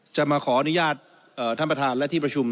จะมาขออนุญาตท่านประธานและที่ประชุม